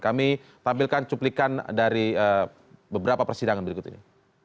kami tampilkan cuplikan dari beberapa persidangan berikut ini